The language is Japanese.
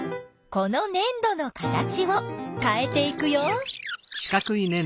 このねん土の形をかえていくよ。